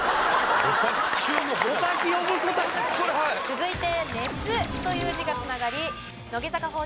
続いて「熱」という字が繋がり乃木坂